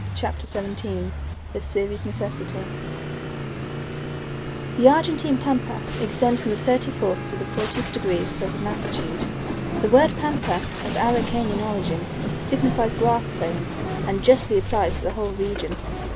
CHAPTER XVII A SERIOUS NECESSITY THE Argentine Pampas extend from the thirty fourth to the fortieth degree of southern latitude. The word PAMPA, of Araucanian origin, signifies grass plain, and justly applies to the whole region.